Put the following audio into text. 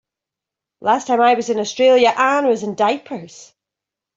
Last time I was in Australia Anne was in diapers.